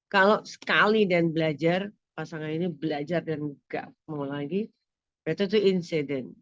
kalau sekali dan belajar pasangan ini belajar dan gak mau lagi itu tuh incident